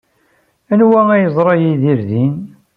Anwa ay yeẓra Yidir din?